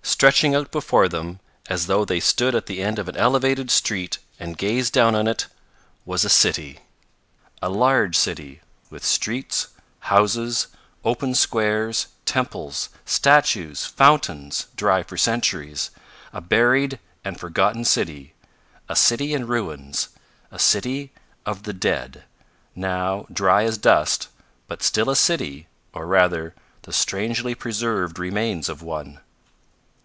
Stretching out before them, as though they stood at the end of an elevated street and gazed down on it, was a city a large city, with streets, houses, open squares, temples, statues, fountains, dry for centuries a buried and forgotten city a city in ruins a city of the dead, now dry as dust, but still a city, or, rather, the strangely preserved remains of one.